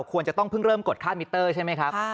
ควรจะต้องเพิ่งเริ่มกดค่ามิเตอร์ใช่ไหมครับ